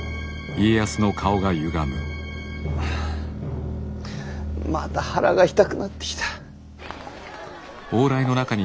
あまた腹が痛くなってきた。